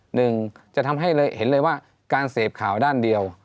หนึ่งจะทำให้เห็นเลยว่าการเสพข่าวด้านเดียว